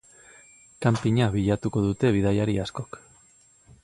Kanpina bilatuko dute bidaiari askok.